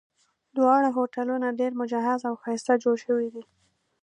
دواړه هوټلونه ډېر مجهز او ښایسته جوړ شوي دي.